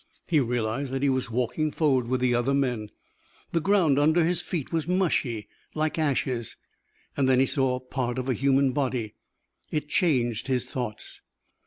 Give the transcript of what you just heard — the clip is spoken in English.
He realized that he was walking forward with the other men. The ground under his feet was mushy, like ashes. Then he saw part of a human body. It changed his thoughts.